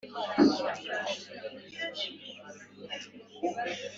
Ng' umutima n'umubiri bikizwe.